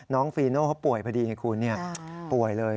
น้องฟีโน่เพราะป่วยพอดีไงคุณป่วยเลย